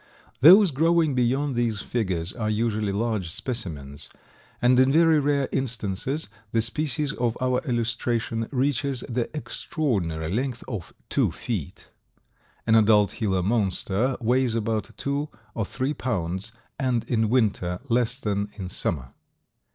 Those growing beyond these figures are unusually large specimens and in very rare instances the species of our illustration reaches the extraordinary length of two feet. An adult Gila Monster weighs about two or three pounds, and in winter less than in summer.